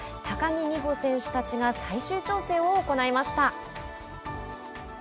高木美帆選手たちが最終調整を行いました。